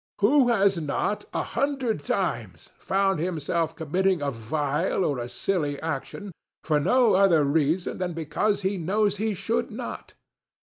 Who has not, a hundred times, found himself committing a vile or a silly action, for no other reason than because he knows he should not?